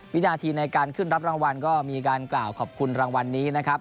วินาทีในการขึ้นรับรางวัลก็มีการกล่าวขอบคุณรางวัลนี้นะครับ